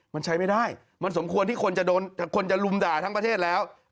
มันใช้ไม่ได้มันสมควรที่คนจะโดนคนจะลุมด่าทั้งประเทศแล้ว